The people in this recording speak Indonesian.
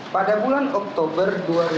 pada bulan oktober dua ribu enam belas